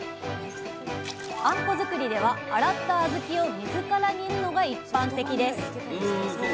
あんこづくりでは洗った小豆を水から煮るのが一般的です。